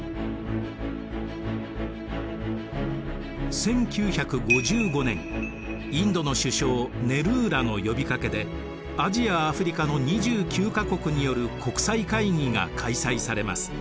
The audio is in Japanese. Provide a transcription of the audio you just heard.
１９５５年インドの首相ネルーらの呼びかけでアジアアフリカの２９か国による国際会議が開催されます。